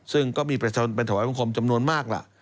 ซึ่งก็มีเป็นถวัยพร้อมคมจำนวนมากละ